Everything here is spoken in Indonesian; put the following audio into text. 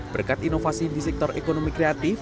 berkat inovasi di sektor ekonomi kreatif